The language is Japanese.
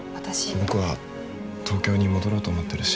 僕は東京に戻ろうと思ってるし。